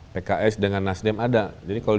pks dengan nasdem ada jadi kalau